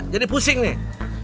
jadi pusing nih